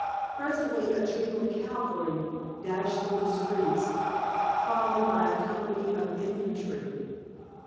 Presently a troop of cavalry dashed through the streets, followed by a company of infantry.